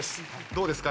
どうですか？